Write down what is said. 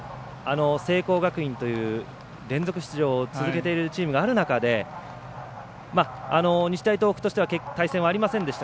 聖光学院という連続出場を続けているチームがある中で日大東北としては対戦はありませんでした